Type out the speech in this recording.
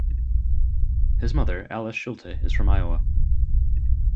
His mother, Alice Shulte, is from Iowa.